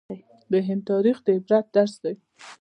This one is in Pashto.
د هند تاریخ د عبرت درس دی.